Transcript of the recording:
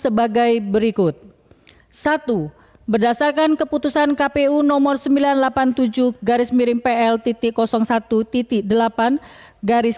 sebagai berikut satu berdasarkan keputusan kpu nomor sembilan ratus delapan puluh tujuh garis miring pl satu delapan garis